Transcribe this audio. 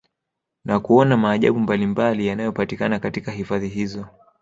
Na kuona maajabu mbalimbali yanayopatikana katika hifadhi hizo